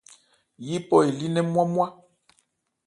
Yípɔ elí nnɛn ńmwá-ńmwá.